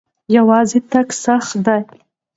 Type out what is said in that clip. یوازې تګ سخت دی.